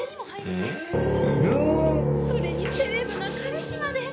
それにセレブな彼氏まで。